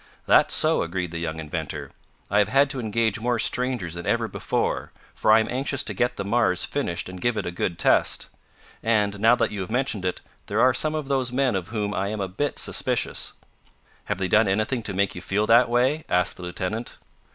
"That's so," agreed the young inventor. "I have had to engage more strangers than ever before, for I am anxious to get the Mars finished and give it a good test. And, now that you have mentioned it, there are some of those men of whom I am a bit suspicious." "Have they done anything to make you feel that way?" asked the lieutenant.